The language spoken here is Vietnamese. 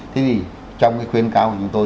thế thì trong cái khuyến cáo của chúng tôi